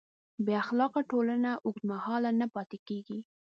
بېاخلاقه ټولنه اوږدمهاله نه پاتې کېږي.